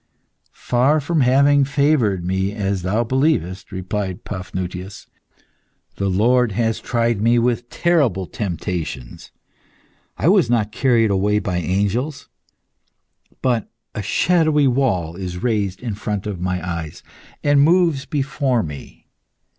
"Far from having favoured me as thou believest," replied Paphnutius, "the Lord has tried me with terrible temptations. I was not carried away by angels. But a shadowy wall is raised in front of my eyes, and moves before me.